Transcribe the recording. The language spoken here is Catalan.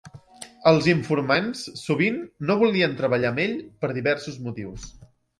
Els informants sovint no volien treballar amb ell per diversos motius.